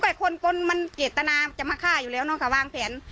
คนมันเจตนาจะมาฆ่าอยู่แล้วเนอะค่ะวางแผน